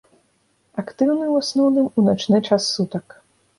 Актыўны ў асноўным у начны час сутак.